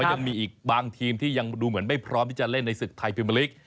ยังมีอีกบางทีมที่ยังดูเหมือนไม่พร้อมที่จะเล่นในศึกไทยพิมเมอร์ลิก